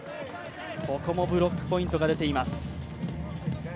ここもブロックポイントが出ています。